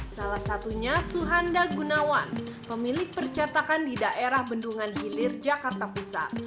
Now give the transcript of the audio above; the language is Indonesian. salah satunya suhanda gunawan pemilik percatakan di daerah bendungan hilir jakarta pusat